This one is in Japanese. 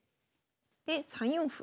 で３四歩。